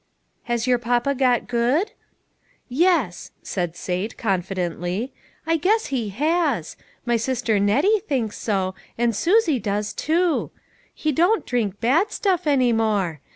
" Has your papa got good ?" "Yes," said Sate confidently, "I guess he has. My sister Nettie thinks so ; and Susie does too. He don't drink bad stuff any more.